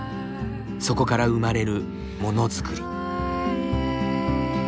そこから生まれるものづくり。